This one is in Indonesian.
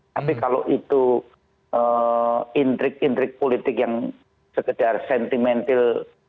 tapi kalau itu intrik intrik politik yang sekedar sentimental